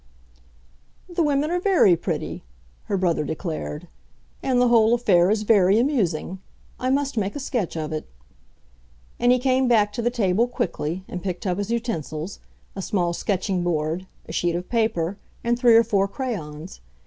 "The women are very pretty," her brother declared, "and the whole affair is very amusing. I must make a sketch of it." And he came back to the table quickly, and picked up his utensils—a small sketching board, a sheet of paper, and three or four crayons.